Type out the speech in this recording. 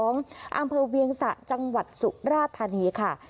อำเภอเวียงสะจังหวัดสุราธานีค่ะ